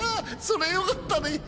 そりゃよかったね。